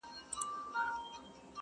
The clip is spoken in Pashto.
o باران وسو، چاکونه پټ سول!